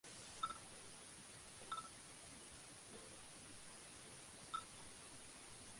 A esta le siguieron muchas otras apariciones televisivas, como protagonista, estrella invitada o presentadora.